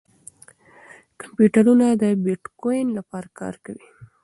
کمپیوټرونه د بېټکوین لپاره کار کوي.